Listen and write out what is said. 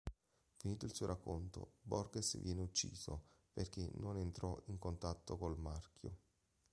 Finito il suo racconto, Borges viene ucciso perché non entrò in contatto col Marchio.